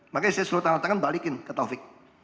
makanya saya suruh tanda tangan balikin ke taufik